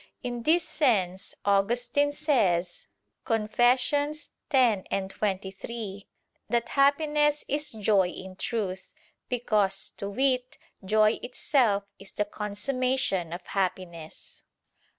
In this sense Augustine says (Confess. x, 23) that happiness is "joy in truth," because, to wit, joy itself is the consummation of happiness.